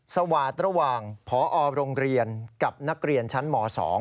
สวาสตร์ระหว่างพอโรงเรียนกับนักเรียนชั้นม๒